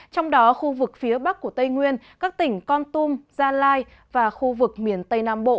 trong đó khu vực phía bắc của tây nguyên các tỉnh con tum gia lai và khu vực miền tây nam bộ